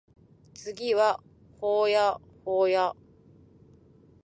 次は保谷保谷